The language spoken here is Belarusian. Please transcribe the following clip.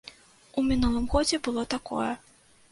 У мінулым годзе было такое.